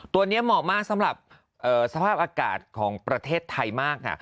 ตัวนี้เหมาะมากสำหรับสภาพอากาศของประเทศไทยมากค่ะ